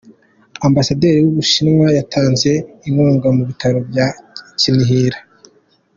Ambasaderi w’Ubushinwa yatanze inkunga mu bitaro bya Kinihira.